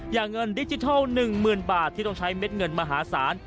เงินดิจิทัล๑๐๐๐บาทที่ต้องใช้เม็ดเงินมหาศาล